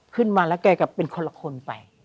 ขึ้นมาแล้วแกก็เป็นคนละคนไป